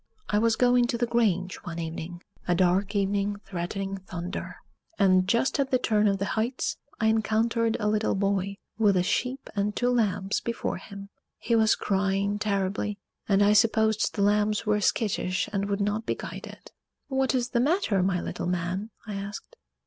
I was going to the grange one evening a dark evening threatening thunder and, just at the turn of the Heights, I encountered a little boy with a sheep and two lambs before him. He was crying terribly, and I supposed the lambs were skittish and would not be guided. "What is the matter, my little man?" I asked.